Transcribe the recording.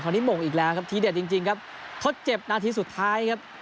วันนี้หม่งอีกแล้วครับทีเด็ดจริงจริงครับทดเจ็บนาทีสุดท้ายครับ